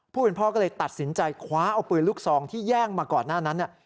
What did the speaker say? ผู้เป็นพ่อก็เลยตัดสินใจคว้าเอาปืนลูกซองที่แย่งมาก่อนหน้านั้น